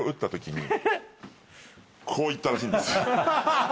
こういったらしいんですよ。